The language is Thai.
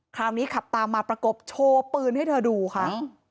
คราวนี้ขับตามมาประกบโชว์ปืนให้เธอดูค่ะ